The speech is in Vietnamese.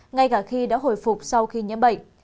ngay cả khi đã hồi phục sau khi nhiễm bệnh